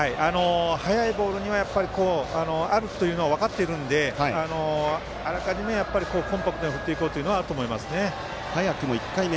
速いボールにあるというのは分かっているのであらかじめコンパクトに振っていこうというのは早くも１回目。